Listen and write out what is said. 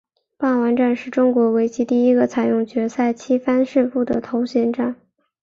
霸王战是中国围棋第一个采用决赛七番胜负的头衔战。